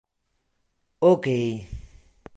Okej...